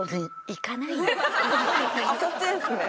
そっちですね。